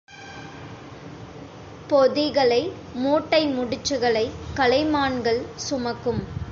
பொதிகளை, மூட்டை முடிச்சுகளைக் கலைமான்கள் சுமக்கும்.